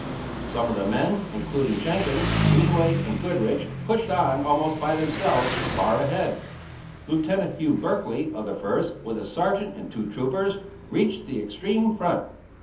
Some of the men, including Jenkins, Greenway, and Goodrich, pushed on almost by themselves far ahead. Lieutenant Hugh Berkely, of the First, with a sergeant and two troopers, reached the extreme front.